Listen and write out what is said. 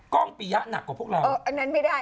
้องปียะหนักกว่าพวกเราอันนั้นไม่ได้